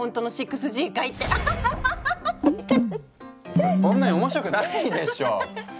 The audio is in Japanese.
それそんなに面白くないでしょ？